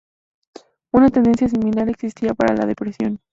Una tendencia similar existía para la depresión.